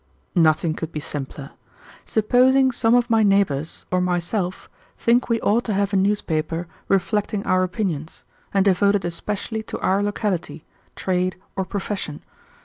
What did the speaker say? "Nothing could be simpler. Supposing some of my neighbors or myself think we ought to have a newspaper reflecting our opinions, and devoted especially to our locality, trade, or profession.